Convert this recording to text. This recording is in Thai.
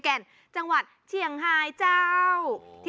แก้ปัญหาผมร่วงล้านบาท